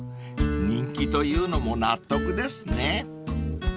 ［人気というのも納得ですね］